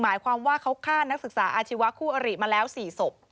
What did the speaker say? หมายความว่าเขาฆ่านักศึกษาอาชีวะคู่อริมาแล้ว๔ศพ